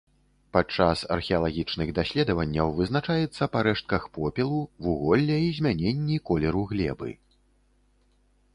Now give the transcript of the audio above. Падчас археалагічных даследаванняў вызначаецца па рэштках попелу, вуголля і змяненні колеру глебы.